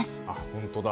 本当だ。